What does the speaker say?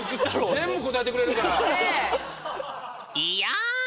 全部答えてくれるから。